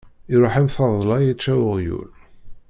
Iṛuḥ am tadla yečča uɣyul.